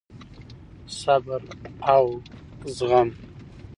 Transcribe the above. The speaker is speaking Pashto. صبر او زغم: